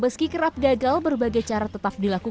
meski kerap gagal berbagai cara tetap dilakukan